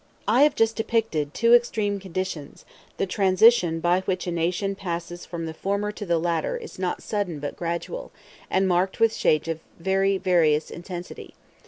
I have just depicted two extreme conditions: the transition by which a nation passes from the former to the latter is not sudden but gradual, and marked with shades of very various intensity.